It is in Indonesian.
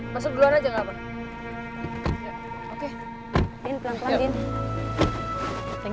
masuk duluan saja ya expenses